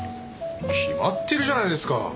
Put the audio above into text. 決まってるじゃないですか。